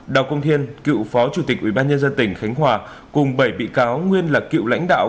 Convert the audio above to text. đào công thiên cựu phó chủ tịch ủy ban nhân dân tỉnh khánh hòa cùng bảy bị cáo nguyên là cựu lãnh đạo